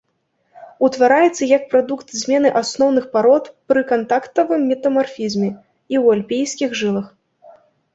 Утвараецца як прадукт змены асноўных парод пры кантактавым метамарфізме і ў альпійскіх жылах.